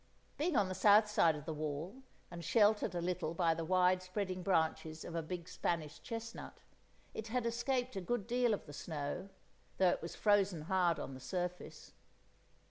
Being on the south side of the wall, and sheltered a little by the wide spreading branches of a big Spanish chestnut, it had escaped a good deal of the snow, though it was frozen hard on the surface.